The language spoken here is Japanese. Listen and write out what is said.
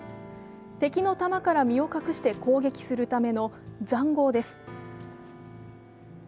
敵の弾から身を隠して攻撃するためのざんごうです。